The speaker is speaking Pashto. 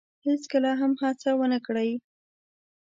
هیڅکله هم هڅه ونه کړی